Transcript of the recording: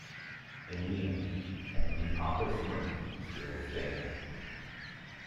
In the end, only Papa Smurf still stands.